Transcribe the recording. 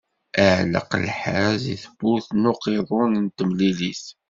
Iɛelleq lḥerz i tebburt n uqiḍun n temlilit.